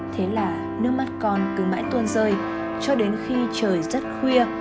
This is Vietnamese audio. thế là nước mắt con cứ mãi tuôn rơi cho đến khi trời rất khuya